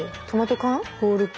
トマト缶？